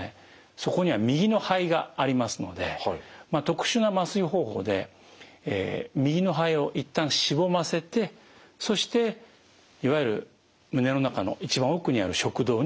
そこには右の肺がありますので特殊な麻酔方法で右の肺を一旦しぼませてそしていわゆる胸の中の一番奥にある食道に到達すると。